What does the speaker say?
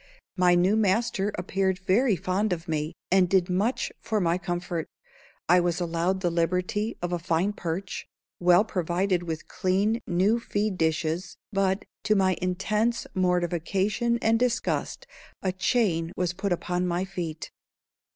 My new master appeared very fond of me, and did much for my comfort. I was allowed the liberty of a fine perch, well provided with clean new feed dishes, but, to my intense mortification and disgust, a chain was put upon my feet.